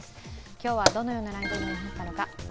今日はどのようなランキングになったのか。